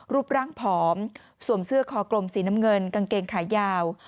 รูปร่างผอมสวมเสื้อคอกลมสีน้ำเงินกางเกงขายาว